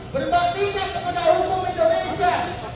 berbaktinya kepada hukum indonesia